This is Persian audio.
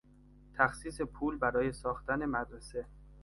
تخصیص پول برای ساختن مدرسه